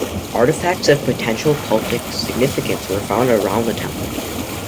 Artifacts of potential cultic significance were found around the temple.